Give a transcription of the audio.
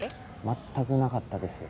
全くなかったです。